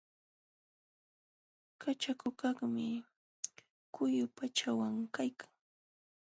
Kachakukaqmi quyu pachawan kaykan.